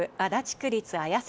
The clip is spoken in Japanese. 区立綾瀬